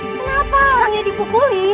kenapa orangnya dipukuli